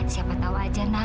siapa tahu aja na